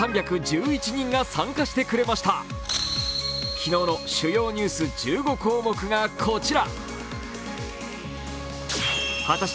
昨日の主要ニュース１５項目がこちら。